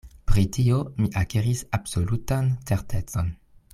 Pri tio mi akiris absolutan certecon.